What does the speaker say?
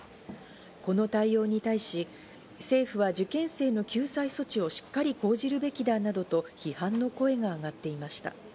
この対応に対し、政府は受験生の救済措置をしっかり報じるべきだなどと、批判の声が上がっていました。